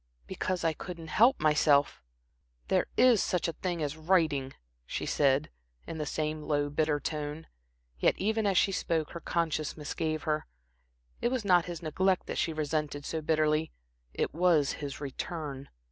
"Because I couldn't help myself." "There is such a thing as writing," she said, in the same low, bitter tone. Yet even as she spoke her conscience misgave her. It was not his neglect that she resented so bitterly, it was his return.